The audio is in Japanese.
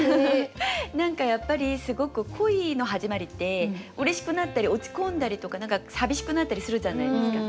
何かやっぱりすごく恋の始まりってうれしくなったり落ち込んだりとか何か寂しくなったりするじゃないですか。